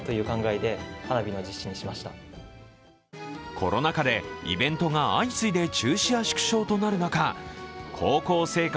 コロナ禍でイベントが相次いで中止や縮小となる中高校生活